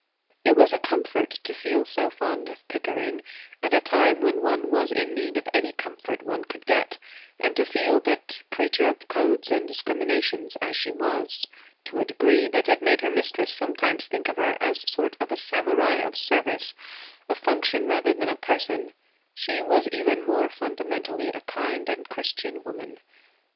It was a comfort to feel so fond of Pickering at a time when one was in need of any comfort one could get; and to feel that, creature of codes and discriminations as she was, to a degree that had made her mistress sometimes think of her as a sort of Samurai of service, a function rather than a person, she was even more fundamentally a kind and Christian woman.